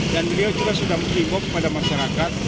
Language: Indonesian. dan beliau juga sudah menginggok kepada masyarakat